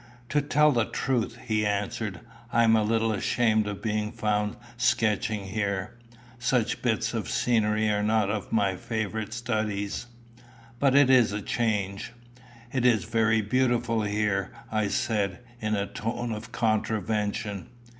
"To tell the truth," he answered, "I am a little ashamed of being found sketching here. Such bits of scenery are not of my favourite studies. But it is a change." "It is very beautiful here," I said, in a tone of contravention.